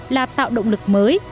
là tạo động lực mới